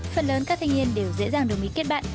phần lớn các thanh niên đều dễ dàng đồng ý kết bạn